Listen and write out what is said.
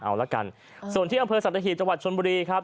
เอาละกันส่วนที่อำเภอสัตหีบจังหวัดชนบุรีครับ